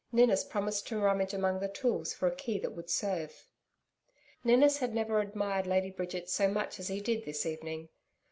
Ninnis promised to rummage among the tools for a key that would serve. Ninnis had never admired Lady Bridget so much as he did this evening.